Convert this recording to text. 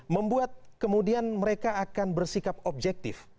membuat kemudian mereka akan bersikap objektif